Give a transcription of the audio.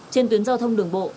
trên tuyến giao thông đường bộ